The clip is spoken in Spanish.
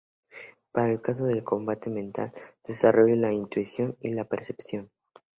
Para el caso del combate mental, desarrolla la intuición y la percepción.